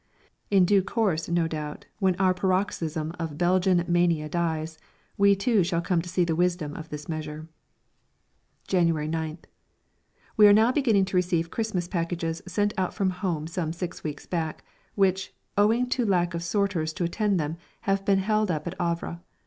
In due course, no doubt, when our paroxysm of Belgian mania dies, we too shall come to see the wisdom of this measure. January 9th. We are now beginning to receive Christmas packages sent out from home some six weeks back, which, owing to lack of sorters to attend to them, have been held up at Havre.